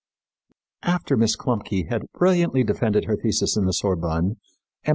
After Miss Klumpke had brilliantly defended her thesis in the Sorbonne, M.